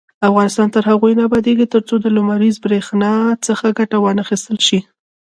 افغانستان تر هغو نه ابادیږي، ترڅو د لمریزې بریښنا څخه ګټه وانخیستل شي.